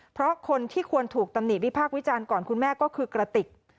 เพราะคนที่ควรถูกตำหนิวิพากษ์วิจารณ์ก่อนคุณแม่ก็คือกระติก